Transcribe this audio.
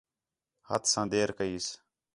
ہتھ ساں دیر کسئیں